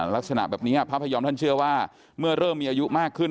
ลักษณะแบบนี้พระพยอมท่านเชื่อว่าเมื่อเริ่มมีอายุมากขึ้น